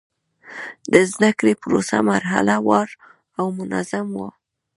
د زده کړې پروسه مرحله وار او منظم و.